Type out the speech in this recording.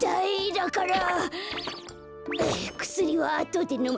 だからくすりはあとでのむ。